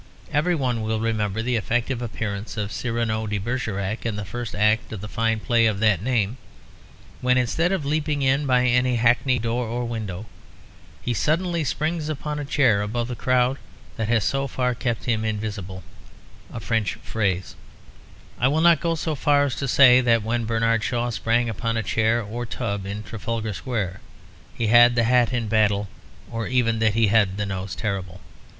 Everyone will remember the effective appearance of Cyrano de Bergerac in the first act of the fine play of that name; when instead of leaping in by any hackneyed door or window, he suddenly springs upon a chair above the crowd that has so far kept him invisible; "les bras croisés, le feutre en bataille, la moustache hérissée, le nez terrible." I will not go so far as to say that when Bernard Shaw sprang upon a chair or tub in Trafalgar Square he had the hat in battle, or even that he had the nose terrible.